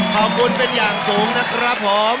ขอบคุณเป็นอย่างสูงนะครับผม